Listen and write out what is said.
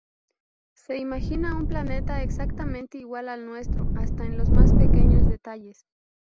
Se imagina un planeta exactamente igual al nuestro hasta en los más pequeños detalles.